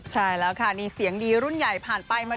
ใช่แล้วค่ะนี่เสียงดีรุ่นใหญ่ผ่านไปมา